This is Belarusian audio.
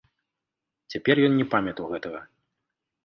Цяпер ён не памятаў гэтага.